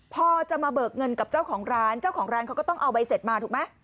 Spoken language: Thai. พอจะมาเบิกเงินกับเจ้าของร้านเจ้าของร้านเขาก็ต้องเอาใบเสร็จมาถูกไหม